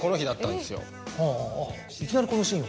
いきなりこのシーンを。